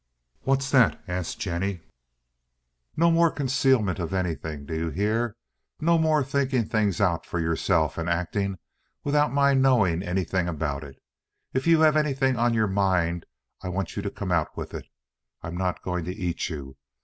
"What's that?" asked Jennie. "No more concealment of anything, do you hear? No more thinking things out for yourself, and acting without my knowing anything about it. If you have anything on your mind, I want you to come out with it. I'm not going to eat you!